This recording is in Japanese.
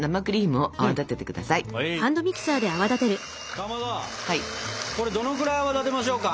かまどこれどのぐらい泡立てましょうか？